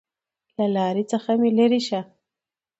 له لارې څخه مې لېرې شه!